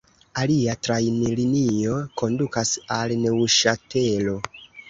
Alia trajnlinio kondukas al Neŭŝatelo.